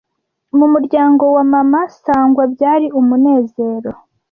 Mu muryango wa Mama Sangwa byari umunezero